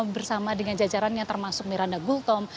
bersama dengan jajarannya termasuk miranda gultom